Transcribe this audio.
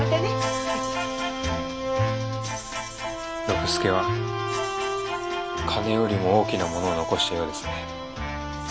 六助は金よりも大きなものを残したようですね。